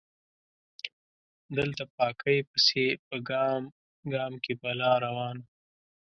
دلته پاکۍ پسې په ګام ګام کې بلا روانه